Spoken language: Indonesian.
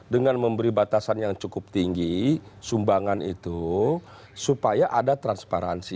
dengan memberi batasan yang cukup tinggi sumbangan itu supaya ada transparansi